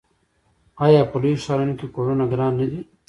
آیا په لویو ښارونو کې کورونه ګران نه دي؟